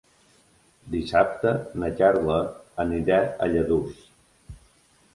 Dissabte na Carla anirà a Lladurs.